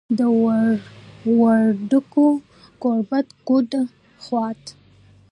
د وردګو ګوربت، ګوډه، خوات